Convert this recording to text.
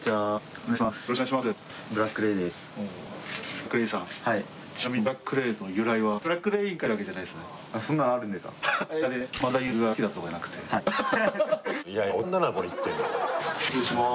お願いします。